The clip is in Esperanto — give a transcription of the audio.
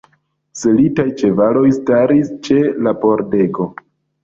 Selitaj ĉevaloj staris ĉe la pordego.